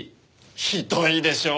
ひどいでしょう？